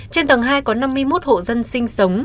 trên tầng hai có năm mươi một hộ dân sinh sống